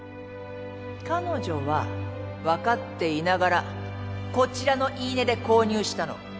彼女はわかっていながらこちらの言い値で購入したの。